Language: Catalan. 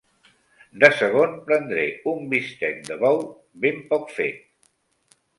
De segon prendré un bistec de bou ben poc fet.